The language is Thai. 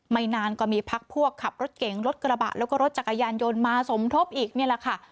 นานก็มีพักพวกขับรถเก๋งรถกระบะแล้วก็รถจักรยานยนต์มาสมทบอีกนี่แหละค่ะ